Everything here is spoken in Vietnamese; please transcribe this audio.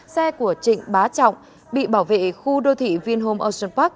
xe của trịnh bá trọng bị bảo vệ khu đô thị vinhome ocean park